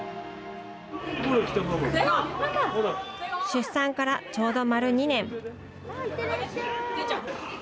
出産からちょうど丸２年。